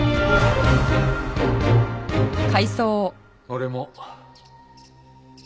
俺も。